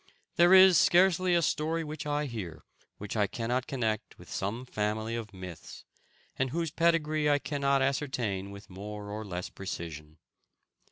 There is scarcely a story which I hear which I cannot connect with some family of myths, and whose pedigree I cannot ascertain with more or less precision.